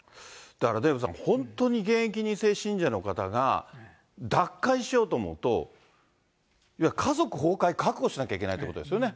だからデーブさん、本当に現役２世信者の方が脱会しようと思うと、家族崩壊、覚悟しなきゃいけないということですよね。